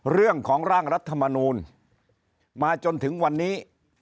เรื่องของร่างรัฐมนูลมาจนถึงวันนี้